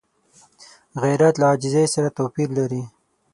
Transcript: غیرت له عاجزۍ سره توپیر لري